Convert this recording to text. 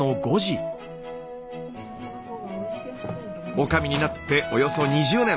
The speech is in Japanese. おかみになっておよそ２０年。